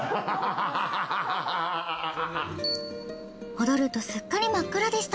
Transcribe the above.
戻るとすっかり真っ暗でした。